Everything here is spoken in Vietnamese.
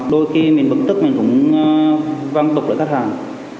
đôi khi mình bực tức mình cũng văng tục đợi khách hàng